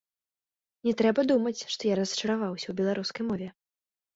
Не трэба думаць, што я расчараваўся ў беларускай мове.